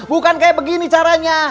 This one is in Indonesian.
bukan kayak begini caranya